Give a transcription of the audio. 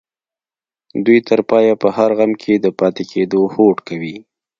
دوی تر پايه په هر غم کې د پاتې کېدو هوډ کوي.